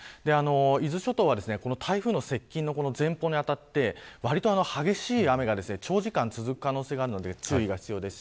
伊豆諸島はこの台風の接近の前方に当たってわりと激しい雨が長時間続く可能性があるので注意が必要です。